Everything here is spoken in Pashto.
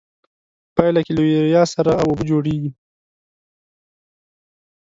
په پایله کې له یوریا سره او اوبه جوړیږي.